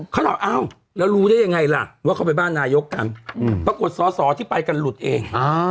เขาถามอ้าวแล้วรู้ได้ยังไงล่ะว่าเขาไปบ้านนายกกันปรากฏสอสอที่ไปกันหลุดเอง